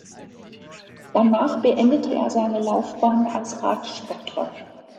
Danach beendete er seine Laufbahn als Radsportler.